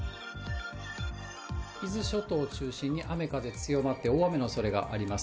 伊豆諸島を中心に雨風強まって、大雨のおそれがあります。